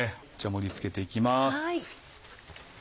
盛り付けていきます。